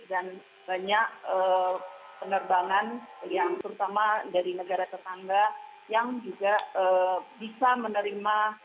dan banyak penerbangan yang terutama dari negara tetangga yang juga bisa menerima